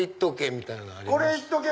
みたいのあります？